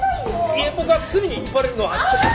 いえ僕は罪に問われるのはちょっと。